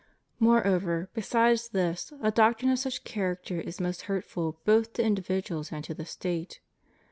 Moreover, besides this, a doctrine of such character ia most hurtful both to individuals and to the State.